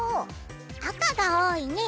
あかがおおいね。